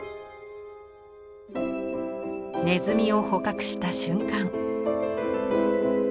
ネズミを捕獲した瞬間。